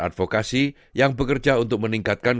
advokasi yang bekerja untuk meningkatkan